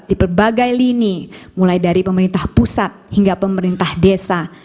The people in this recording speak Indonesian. di berbagai lini mulai dari pemerintah pusat hingga pemerintah desa